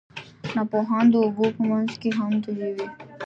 ناپوهان د اوبو په منځ کې هم تږي وي.